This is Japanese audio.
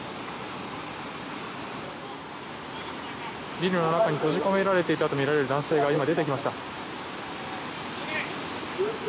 ビルの中に閉じ込められていたとみられる男性が今、出てきました。